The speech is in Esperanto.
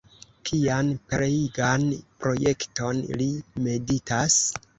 Kian pereigan projekton li meditas?